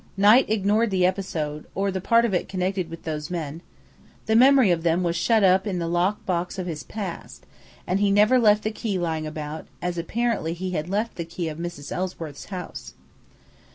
Knight ignored the episode, or the part of it connected with those men. The memory of them was shut up in the locked box of his past, and he never left the key lying about, as apparently he had left the key of Mrs. Ellsworth's house.